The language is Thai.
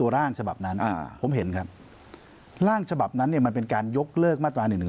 ร่างฉบับนั้นมันเป็นการยกเลิกมาตรา๑๑๒